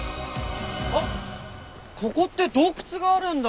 あっここって洞窟があるんだ。